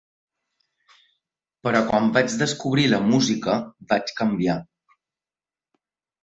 Però quan vaig descobrir la música, vaig canviar.